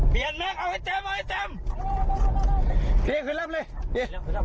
เปลี่ยนแม็กซ์เอาไว้เต็มเอาไว้เต็ม